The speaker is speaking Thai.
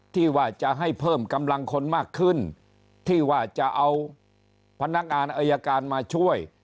ที่ว่าจะให้เพิ่มกำลังคนมากขึ้นที่ว่าจะเอาพนักงานอายการมาช่วย